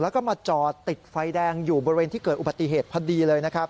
แล้วก็มาจอดติดไฟแดงอยู่บริเวณที่เกิดอุบัติเหตุพอดีเลยนะครับ